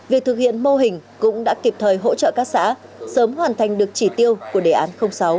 việc thực hiện mô hình cũng đã kịp thời hỗ trợ các xã sớm hoàn thành được chỉ tiêu của đề án sáu